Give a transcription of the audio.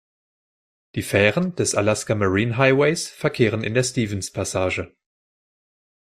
Die Fähren des Alaska Marine Highways verkehren in der Stephens Passage.